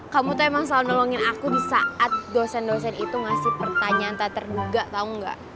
kamu tuh emang selalu nolongin aku di saat dosen dosen itu ngasih pertanyaan tak terduga tau gak